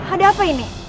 ada apa ini